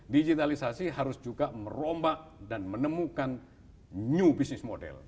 digitalisasi harus juga merombak dan menemukan new business model